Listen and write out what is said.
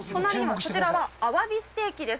こちらはアワビステーキです。